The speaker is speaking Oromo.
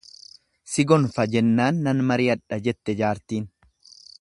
"""Si gonfa'"" jennaan ""naan mari'adha"" jette jaartiin."